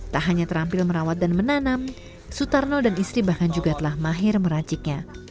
tak hanya terampil merawat dan menanam sutarno dan istri bahkan juga telah mahir meraciknya